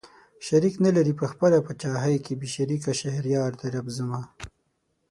شريک نه لري په خپله پاچاهۍ کې بې شريکه شهريار دئ رب زما